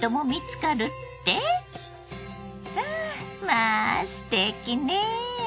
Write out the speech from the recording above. まあすてきねぇ！